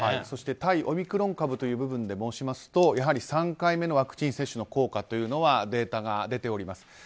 そして対オミクロン株という部分で申しますとやはり３回目のワクチン接種の効果というのはデータが出ております。